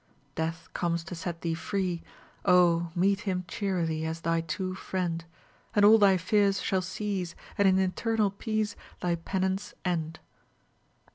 Death comes to set thee free; Oh, meet him cheerily As thy true friend, And all thy fears shall cease, And in eternal peace Thy penance end."